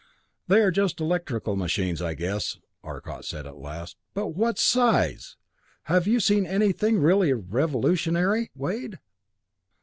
"They are just electrical machines, I guess," said Arcot at last. "But what size! Have you seen anything really revolutionary, Wade?"